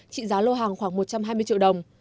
trị giá lô hàng khoảng một trăm hai mươi triệu đồng